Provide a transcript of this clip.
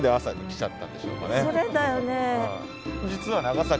それだよね。